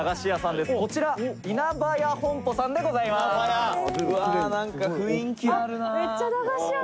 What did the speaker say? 「こちら稲葉屋本舗さんでございます」